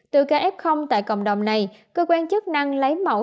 từ ca f tại cộng đồng này cơ quan chức năng lấy mẫu